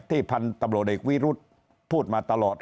พันธุ์ตำรวจเอกวิรุธพูดมาตลอด